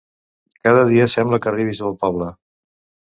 Cada dia sembla que arribis del poble.